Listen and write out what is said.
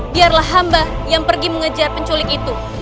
biarlah hamba yang pergi mengejar penculik itu